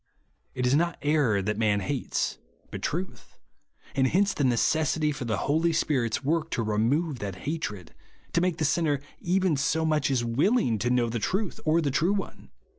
4). It is not error tliat man hates, but tnith ; and hence the necessity for the Holy Spirit's work to remove that hatred, — to make the sinner even so much as willing to know the truth or the True One.